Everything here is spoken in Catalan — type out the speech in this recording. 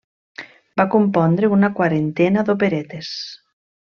Va compondre una quarantena d'operetes.